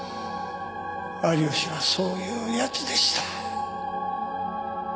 有吉はそういう奴でした。